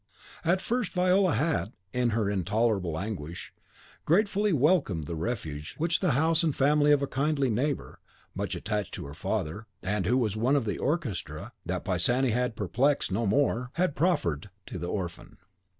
At first Viola had, in her intolerable anguish, gratefully welcomed the refuge which the house and family of a kindly neighbour, much attached to her father, and who was one of the orchestra that Pisani shall perplex no more, had proffered to the orphan.